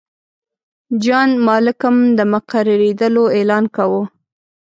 جان مالکم د مقررېدلو اعلان کاوه.